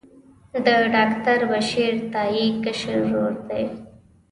د ډاکټر بشیر تائي کشر ورور دی.